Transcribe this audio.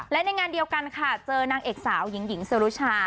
และในงานเดียวกันค่ะเจอนางเอกสาวหญิงหญิงสรุชา